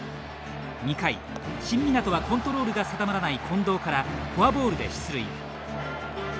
２回新湊はコントロールが定まらない近藤からフォアボールで出塁。